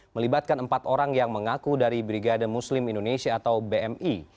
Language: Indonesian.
melibatkan empat orang yang mengaku dari brigade muslim indonesia atau bmi